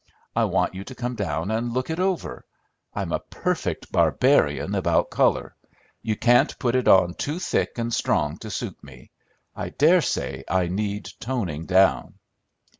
I want you to come down and look it over. I'm a perfect barbarian about color! You can't put it on too thick and strong to suit me. I dare say I need toning down."